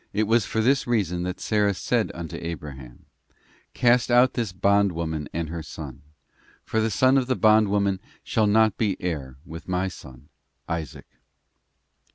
17 was for this reason that Sara said unto Abraham: 'Cast out this bond woman and her son, for the son of the bond woman shall not be heir with my son Isaac.